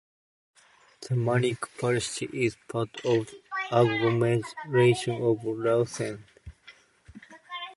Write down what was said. The municipality is part of the agglomeration of Lausanne.